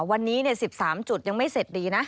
วันนี้๑๓จุดยังไม่เสร็จดีนะ